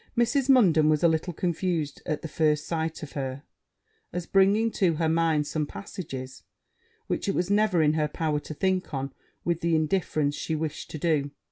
Mrs. Munden was a little confused at first sight of her, as bringing to her mind some passages which it was never in her power to think on with the indifference she wished to do.